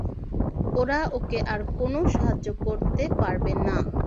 ওরা ওকে আর কোনও সাহায্য করতে পারবে না।